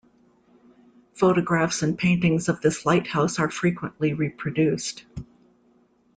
Photographs and paintings of this lighthouse are frequently reproduced.